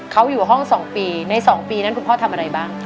เขาอยู่ห้อง๒ปีใน๒ปีนั้นคุณพ่อทำอะไรบ้าง